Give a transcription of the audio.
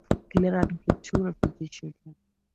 He later adopted two refugee children.